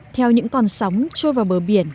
theo những con sóng trôi vào bờ biển